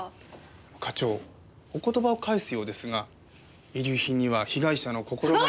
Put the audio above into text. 課長お言葉を返すようですが遺留品には被害者の心が。